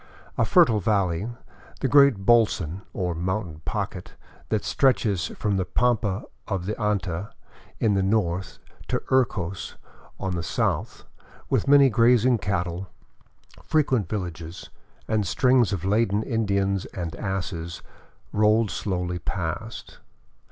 A fertile valley, the great holson, or mountain pocket, that stretches from the pampa of Anta in the north to Urcos on the south, with many grazing cattle, frequent villages, and strings of laden Indians and asses, rolled slowly past.